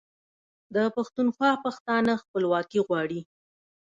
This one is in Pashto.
د پښتونخوا پښتانه خپلواکي غواړي.